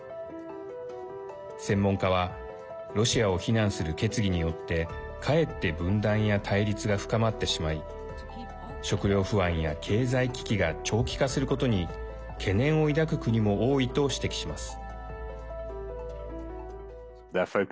専門家はロシアを非難する決議によってかえって分断や対立が深まってしまい食料不安や経済危機が長期化することに懸念を抱く国も多いと指摘します。